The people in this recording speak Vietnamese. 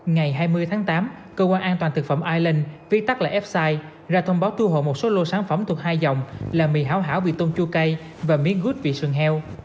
ngày hai mươi tháng tám cơ quan an toàn thực phẩm island viết tắt lại f side ra thông báo thu hồi một số lô sản phẩm thuộc hai dòng là mì hảo hảo vị tôm chua cay và miếng gút vị sườn heo